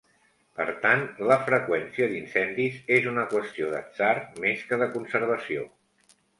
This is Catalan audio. Per tant, la freqüència d'incendis és una qüestió d'atzar més que de conservació.